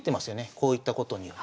こう行ったことにより。